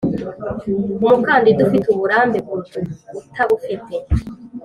umukandida ufite uburambe kuruta utabufite